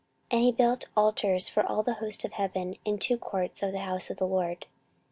14:033:005 And he built altars for all the host of heaven in the two courts of the house of the LORD.